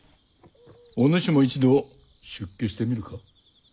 お主も一度出家してみるか？